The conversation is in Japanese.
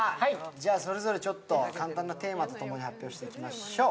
それぞれ簡単なテーマとともに発表していきましょう。